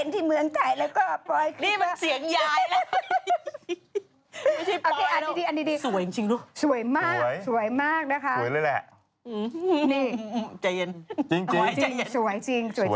ที่ฮงกงอย่างไร